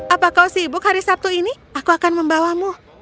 apa kau sibuk hari sabtu ini aku akan membawamu